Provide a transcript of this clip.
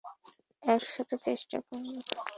একসাথে চেষ্টা করবো।